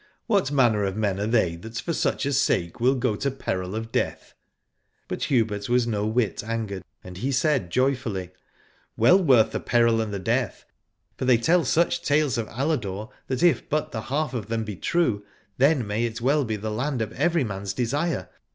What manner of men are they that for such a sake will go to peril of death ? But Hubert was no whit angered, and he said joyfully. Well worth the peril 107 Aladore and the death ; for they tell such tales of Aladore that if but the half of them be true, then may it well be the land of every man's desire.